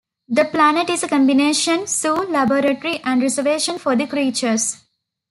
The planet is a combination zoo, laboratory, and reservation for the creatures.